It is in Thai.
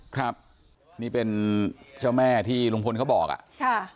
ครับนี่เป็นเจ้าแม่ที่ลุงพลเขาบอกอ่ะค่ะ